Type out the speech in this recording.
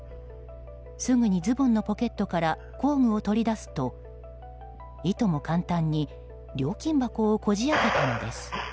すぐにズボンのポケットから工具を取り出すといとも簡単に料金箱をこじ開けたのです。